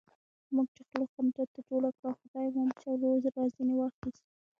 موږ چې خوله خندا ته جوړه کړله، خدای مو مشر ورور را ځنې واخیست.